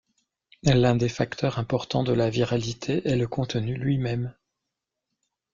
L’un des facteurs importants de la viralité est le contenu lui-même.